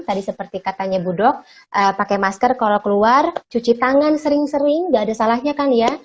tadi seperti katanya bu dok pakai masker kalau keluar cuci tangan sering sering gak ada salahnya kan ya